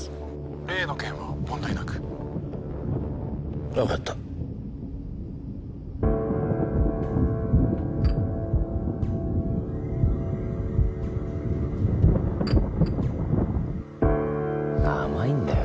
例の件は問題なく分かった甘いんだよ